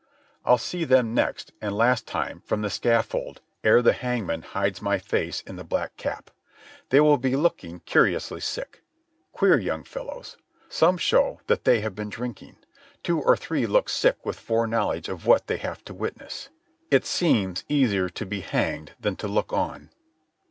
I'll see them next, and last time, from the scaffold, ere the hangman hides my face in the black cap. They will be looking curiously sick. Queer young fellows. Some show that they have been drinking. Two or three look sick with foreknowledge of what they have to witness. It seems easier to be hanged than to look on.